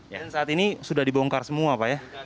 dan saat ini sudah dibongkar semua pak ya